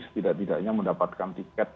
setidak tidaknya mendapatkan tiket